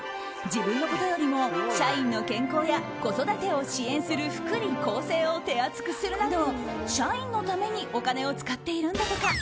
自分のことよりも社員の健康や子育てを支援する福利厚生を手厚くするなど社員のためにお金を使っているんだとか。